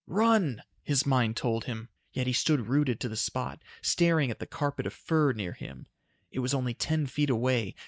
"Run!" his mind told him. Yet he stood rooted to the spot, staring at the carpet of fur near him. It was only ten feet away.